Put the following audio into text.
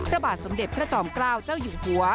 พระบาทสมเด็จพระจอมเกล้าเจ้าอยู่หัว